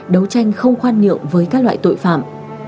đấu tranh không khoan nhượng với các loại tội phạm